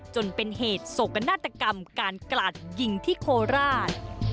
จนเป็นเหตุโศกนาฏกรรมการกลาดยิงที่โคราช